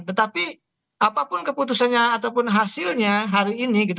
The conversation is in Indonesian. tetapi apapun keputusannya ataupun hasilnya hari ini gitu